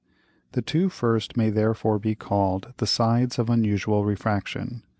The two first may therefore be call'd the Sides of unusual Refraction.